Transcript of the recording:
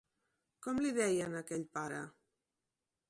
Com li deien a aquell pare?